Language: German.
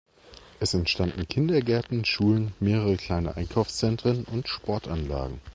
Es entstanden Kindergärten, Schulen, mehrere kleine Einkaufszentren und Sportanlagen.